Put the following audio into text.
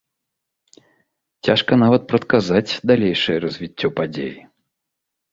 Цяжка нават прадказаць далейшае развіццё падзей.